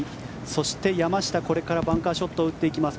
そして山下、これからバンカーショットを打っていきます。